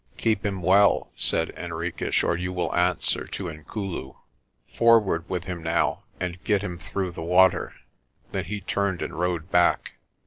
"Keep him well," said Henriques, "or you will answer to Inkulu. Forward with him now and get him through the water." Then he turned and rode back.